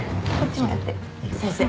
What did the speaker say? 先生